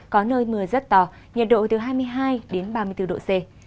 có nơi mưa rất to nhiệt độ từ hai mươi hai đến ba mươi bốn độ c